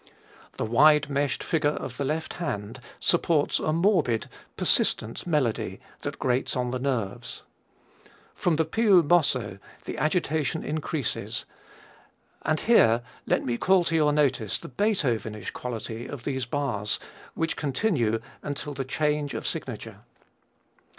The wide meshed figure of the left hand supports a morbid, persistent melody that grates on the nerves. From the piu mosso the agitation increases, and here let me call to your notice the Beethoven ish quality of these bars, which continue until the change of signature.